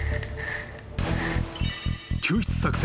［救出作戦